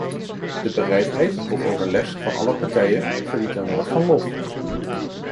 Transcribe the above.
De bereidheid tot overleg van alle partijen verdient een woord van lof.